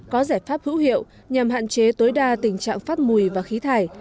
có giải pháp hữu hiệu nhằm hạn chế tối đa tình trạng phát mùi và khí thải